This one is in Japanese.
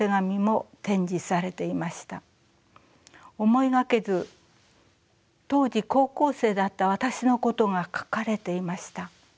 思いがけず当時高校生だった私のことが書かれていました。